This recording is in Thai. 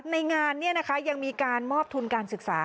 ในการนี้นะคะยังมีการมอบทุนการศึกษา